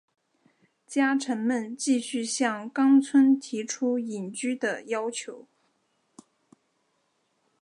家臣们继续向纲村提出隐居的要求。